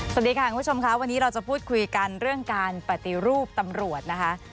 สวัสดีค่ะคุณผู้ชมค่ะวันนี้เราจะพูดคุยกันเรื่องการปฏิรูปตำรวจนะคะ